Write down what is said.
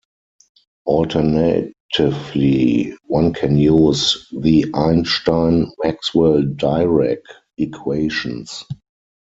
Alternatively, one can use the Einstein-Maxwell-Dirac equations.